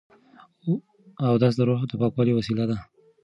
اودس د روح د پاکوالي وسیله ده.